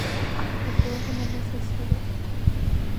お豆腐の味噌汁